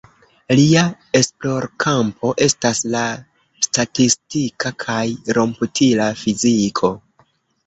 Lia esplorkampo estas la statistika kaj komputila fiziko.